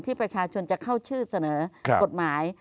ประชาชนจะเข้าชื่อเสนอกฎหมาย